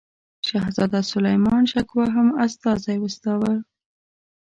شهزاده سلیمان شکوه هم استازی واستاوه.